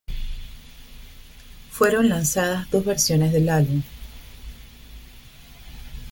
Fueron lanzadas dos versiones del álbum.